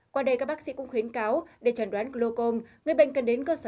qua đây các bác sĩ cũng khuyến cáo để trần đoán gluocom